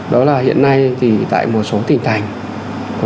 đó là hiện nay thì tại một số tỉnh thành